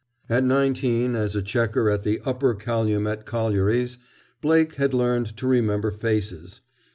At nineteen, as a "checker" at the Upper Kalumet Collieries, Blake had learned to remember faces.